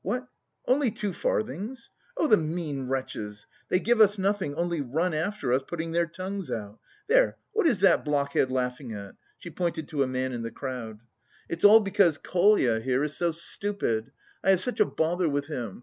What, only two farthings! Oh, the mean wretches! They give us nothing, only run after us, putting their tongues out. There, what is that blockhead laughing at?" (She pointed to a man in the crowd.) "It's all because Kolya here is so stupid; I have such a bother with him.